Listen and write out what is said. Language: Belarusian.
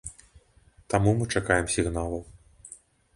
Таму мы чакаем сігналаў.